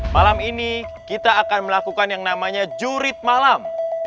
malam ini kita akan melakukan yang namanya jurid malam